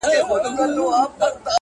• ه زه د دوو مئينو زړو بړاس يمه؛